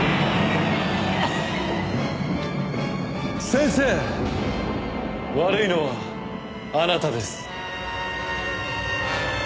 先生悪いのはあなたです。